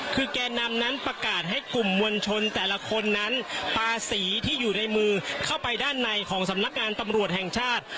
คือแก่นำนั้นประกาศให้กลุ่มมวลชนแต่ละคนนั้นพาสีที่อยู่ในมือเข้าไปด้านในของสำนักงานตำรวจแห่งชาติ